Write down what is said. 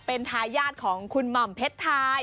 เป็นทายาทของคุณหม่อมเพชรทาย